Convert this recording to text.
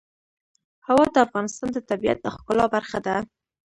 هوا د افغانستان د طبیعت د ښکلا برخه ده.